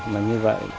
mà như vậy